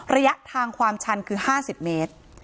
ระยะทางความชันคือ๕๐เมตร